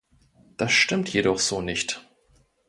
Das stimmt jedoch so nicht.